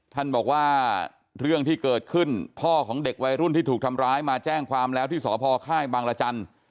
ท่านบอกว่าเรื่องที่เกิดขึ้นพ่อของเด็กวัยรุ่นที่ถูกทำร้ายมาแจ้งความแล้วที่สพค่ายบางรจันทร์